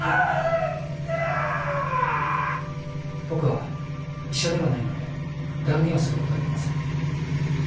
僕は医者ではないので断言をすることはできません。